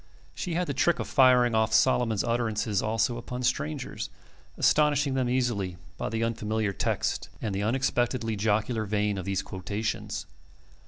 She had the trick of firing off Solomon's utterances also upon strangers, astonishing them easily by the unfamiliar text and the unexpectedly jocular vein of these quotations.